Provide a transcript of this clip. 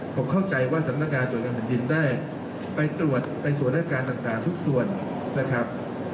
ผมเข้าใจว่าสำนักงานตรวจเงินแผ่นดินได้ไปตรวจไปส่วนอาการต่างทุกส่วนนะครับ